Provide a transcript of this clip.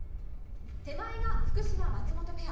手前が福島、松本ペア。